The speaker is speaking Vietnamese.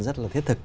rất là thiết thực